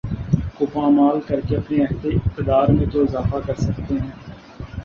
کو پامال کرکے اپنے عہد اقتدار میں تو اضافہ کر سکتے ہیں